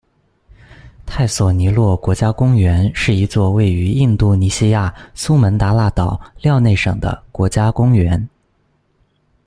泰索尼洛国家公园是一座位于印度尼西亚苏门答腊岛廖内省的国家公园。